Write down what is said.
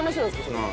それ。